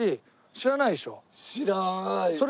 知らない。